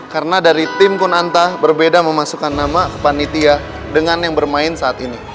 karena dari tim kuranta berbeda memasukkan nama ke panitia dengan yang bermain saat ini